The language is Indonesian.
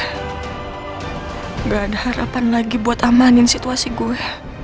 tidak ada harapan lagi buat amanin situasi gue